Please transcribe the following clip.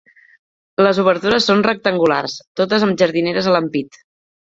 Les obertures són rectangulars, totes amb jardineres a l'ampit.